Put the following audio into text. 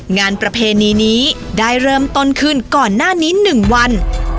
งานประเพณีนี้ได้เริ่มต้นขึ้นก่อนหน้านี้๑วัน